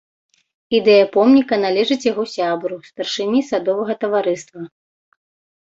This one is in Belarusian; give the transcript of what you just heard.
Ідэя помніка належыць яго сябру, старшыні садовага таварыства.